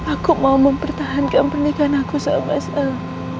aku mau mempertahankan pernikahan aku sama sekali